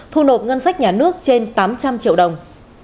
thu nộp ngân sách nhà nước trên tám trăm linh triệu đồng